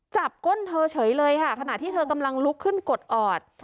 ก้นเธอเฉยเลยค่ะขณะที่เธอกำลังลุกขึ้นกดออด